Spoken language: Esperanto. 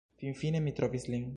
Finfine mi trovis lin